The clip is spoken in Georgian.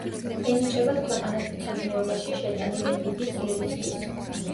ენიჭებათ ქვეყანათმცოდნეობაში შეტანილი დიდი წვლილისთვის.